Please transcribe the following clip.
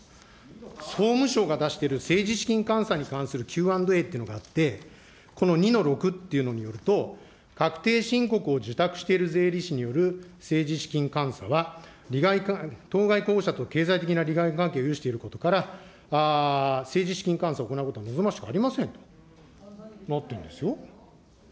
総務省が出している政治資金監査に関するＱ＆Ａっていうのがあって、この２の６っていうのによると、確定申告を受託している税理士によると、政治資金監査は、当該候補者と経済的な利害関係を有していることから、政治資金監査を行うことは望ましくありませんとなっているんですよ。